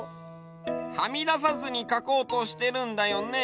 はみださずにかこうとしてるんだよね？